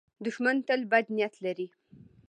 دښمن تل بد نیت لري